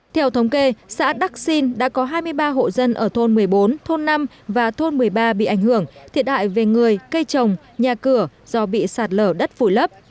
theo thống kê xã đắc xin đã có hai mươi ba hộ dân ở thôn một mươi bốn thôn năm và thôn một mươi ba bị ảnh hưởng thiệt hại về người cây trồng nhà cửa do bị sạt lở đất vùi lấp